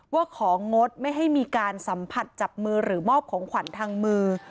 ว่าของงดไม่ให้มีการสัมผัสจับมือหรือมอบของขวัญทางมือ